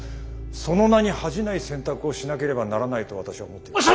その名に恥じない選択をしなければならないと私は思っています。